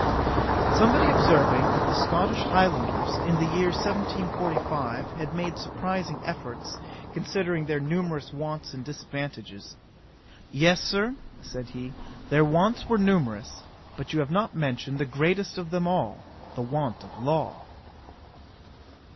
'Somebody observing that the Scotch Highlanders, in the year 1745, had made surprising efforts, considering their numerous wants and disadvantages: "Yes, Sir, (said he,) their wants were numerous; but you have not mentioned the greatest of them all, the want of law."